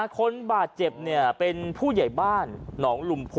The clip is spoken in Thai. คนบาดเจ็บเป็นผู้ใหญ่บ้านหนองลุมพล